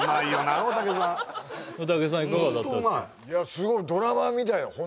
いやすごいドラマみたいよ